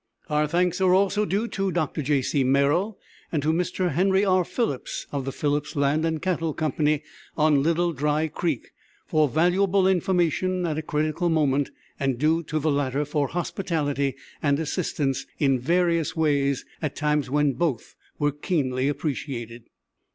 Our thanks are also due to Dr. J. C. Merrill, and to Mr. Henry R. Phillips, of the Phillips Land and Cattle Company, on Little Dry Creek, for valuable information at a critical moment, and to the latter for hospitality and assistance in various ways, at times when both were keenly appreciated.